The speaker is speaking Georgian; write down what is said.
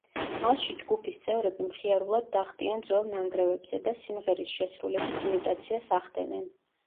მასში ჯგუფის წევრები მხიარულად დახტიან ძველ ნანგრევებზე და სიმღერის შესრულების იმიტაციას ახდენენ.